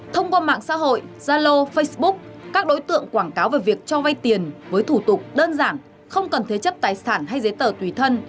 thông qua mạng xã hội zalo facebook các đối tượng quảng cáo về việc cho vay tiền với thủ tục đơn giản không cần thế chấp tài sản hay giấy tờ tùy thân